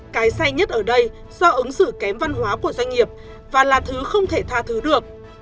cái xay nhất ở đây do ứng xử kém văn hóa của doanh nghiệp và là thứ không thể tha thứ được